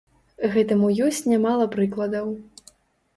Гэтаму ёсць нямала прыкладаў.